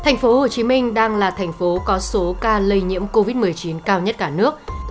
thành phố hồ chí minh đang là thành phố có số ca lây nhiễm covid một mươi chín cao nhất cả nước